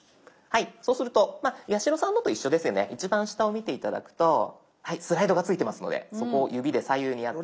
そうすると八代さんのと一緒ですよね一番下を見て頂くとはいスライドがついていますのでそこを指で左右に。